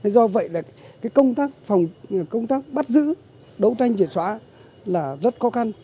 do vậy là cái công tác bắt giữ đấu tranh triển xóa là rất khó khăn